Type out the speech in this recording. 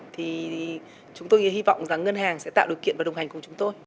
thì chúng tôi hy vọng rằng ngân hàng sẽ tạo điều kiện và đồng hành cùng chúng tôi